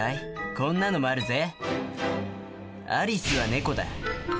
こんなのもあるぜ。